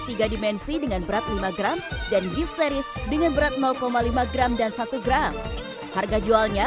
tiga dimensi dengan berat lima gram dan gift series dengan berat lima gram dan satu gram harga jualnya